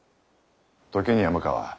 時に山川